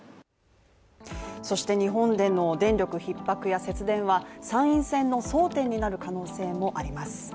そして日本での電力ひっ迫や、節電は参院選の争点になる可能性もあります。